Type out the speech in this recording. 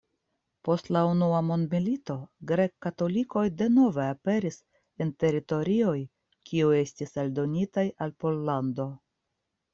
Post la unua mondmilito grek-katolikoj denove aperis en teritorioj kiuj estis aldonitaj al Pollando.